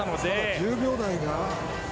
１０秒台が。